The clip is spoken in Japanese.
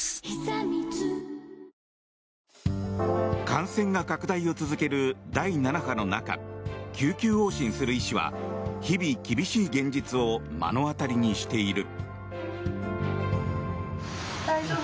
感染が拡大を続ける第７波の中救急往診する医師は日々、厳しい現実を目の当たりにしている。